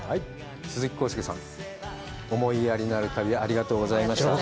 鈴木浩介さん、思いやりのある旅、ありがとうございました。